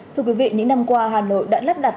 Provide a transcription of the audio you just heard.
thưa quý vị những năm qua hà nội đã lắp đặt